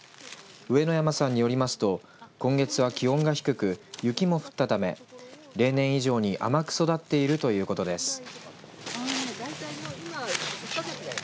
上之山さんによりますと今月は気温が低く雪も降ったため例年以上に甘く育っているということです。